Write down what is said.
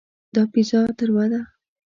دا پیزا تروه ده.